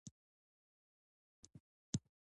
نورستان د افغانانو لپاره په معنوي لحاظ ارزښت لري.